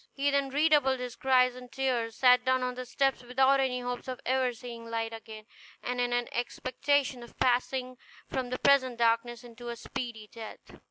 He then redoubled his cries and tears, sat down on the steps without any hopes of ever seeing light again, and in an expectation of passing from the present darkness to a speedy death.